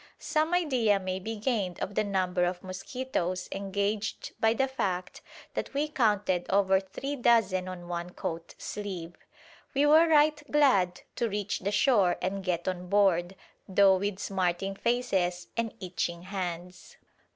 Some idea may be gained of the number of mosquitoes "engaged" by the fact that we counted over three dozen on one coat sleeve. We were right glad to reach the shore and get on board, though with smarting faces and itching hands.